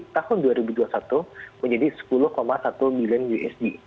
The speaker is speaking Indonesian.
tahun dua ribu dua puluh satu menjadi sepuluh satu billion usd